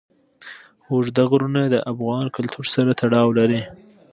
اوږده غرونه د افغان کلتور سره تړاو لري.